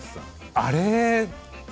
あれ？